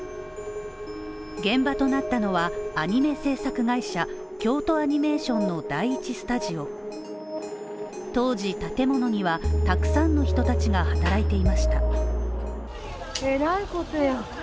現場となったのは、アニメ制作会社京都アニメーションの第１スタジオ当時、建物にはたくさんの人たちが働いていました。